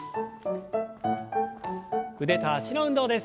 腕と脚の運動です。